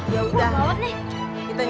ya udah deh kak